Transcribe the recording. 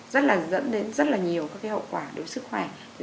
rất là dẫn đến rất là nhiều các cái hậu quả đối với sức khỏe